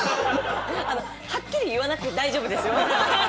あのはっきり言わなくて大丈夫ですよ。